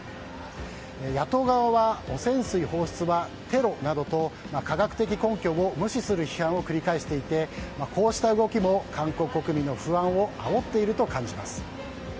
野党側は汚染水放出はテロなどと科学的根拠を無視する批判を繰り広げていてこうした動きも韓国国民の不安をあおっている感じます。